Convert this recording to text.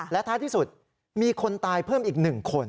และท้ายที่สุดมีคนตายเพิ่มอีก๑คน